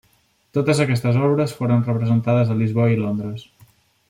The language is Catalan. Totes aquestes obres foren representades a Lisboa i Londres.